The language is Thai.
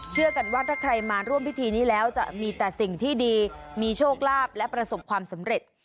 เชื่อกันว่าถ้าใครมาร่วมพิธีนี้แล้วจะมีแต่สิ่งที่ดีมีโชคลาภและประสบความสำเร็จ